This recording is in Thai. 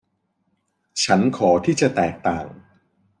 ฉันขอที่จะแตกต่าง